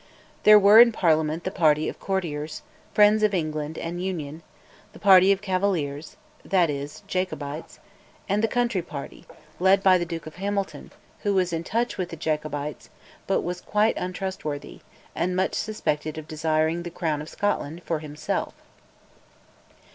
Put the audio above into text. There were in Parliament the party of Courtiers, friends of England and Union; the party of Cavaliers, that is Jacobites; and the Country party, led by the Duke of Hamilton, who was in touch with the Jacobites, but was quite untrustworthy, and much suspected of desiring the Crown of Scotland for himself.